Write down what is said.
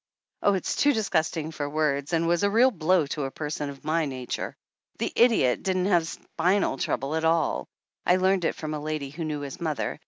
"Oh, it's too disgusting "for words, and was a real blow to a person of my nature ! The idiot didn't have spinal trouble at all, I learned it from a lady who knew his mother.